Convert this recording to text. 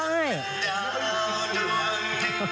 ถ่ายงี้